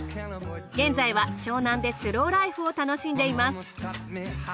現在は湘南でスローライフを楽しんでいます。